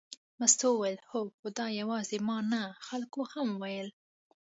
مستو وویل هو، خو دا یوازې ما نه خلکو هم ویل.